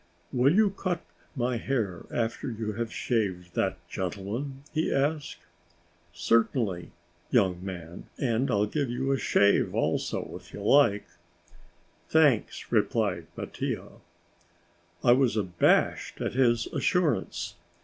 "Will you cut my hair after you have shaved that gentleman?" he asked. "Certainly, young man, and I'll give you a shave also, if you like." "Thanks," replied Mattia. I was abashed at his assurance.